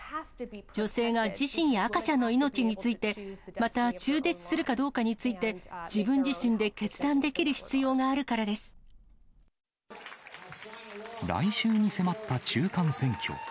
女性が自身や赤ちゃんの命について、また中絶するかどうかについて、自分自身で決断できる必要が来週に迫った中間選挙。